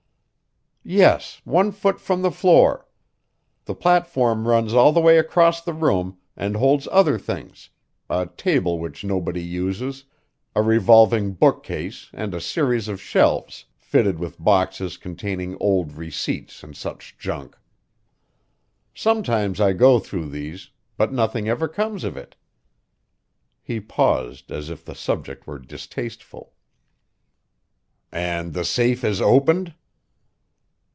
"Yes, one foot from the floor. The platform runs all the way across the room and holds other things; a table which nobody uses, a revolving bookcase and a series of shelves, fitted with boxes containing old receipts and such junk. Sometimes I go through these; but nothing ever comes of it." He paused, as if the subject were distasteful. "And the safe is opened?"